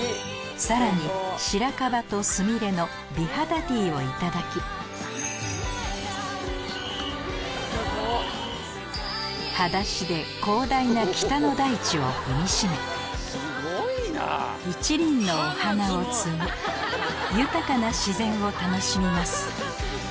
さらに白樺とスミレの美肌ティーをいただき裸足で広大な北の大地を踏みしめ一輪のお花を摘み豊かな自然を楽しみます